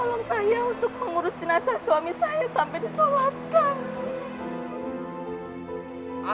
tolong saya untuk mengurus jenazah suami saya sampe disolatkan